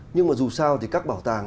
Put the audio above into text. nhưng mà dù sao thì các bảo tàng